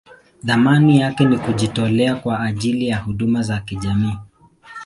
Thamani yake ni kujitolea kwa ajili ya huduma za kijamii.